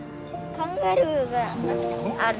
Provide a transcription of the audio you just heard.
カンガルーがある。